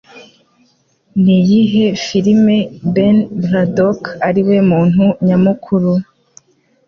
Niyihe filime Ben Braddock ariwe muntu nyamukuru?